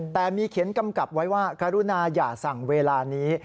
แต่มีเขียนกำกับไว้ว่ากรุณาอย่าสั่งเวลานี้